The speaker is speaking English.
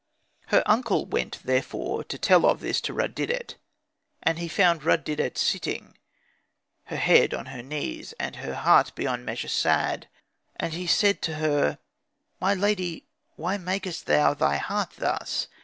Her uncle went therefore to tell of this to Rud didet; and he found Rud didet sitting, her head on her knees, and her heart beyond measure sad. And he said to her, "My lady, why makest thou thy heart thus?"